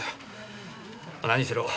何しろ